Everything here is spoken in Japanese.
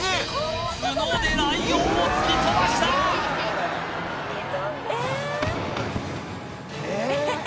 ツノでライオンを突き飛ばしたえ！